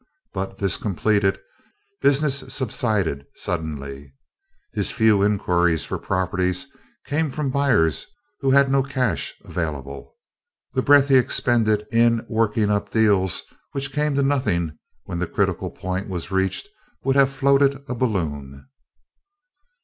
But, this completed, business subsided suddenly. His few inquiries for properties came from buyers who had no cash available. The breath he expended in "working up deals" which came to nothing when the critical point was reached would have floated a balloon.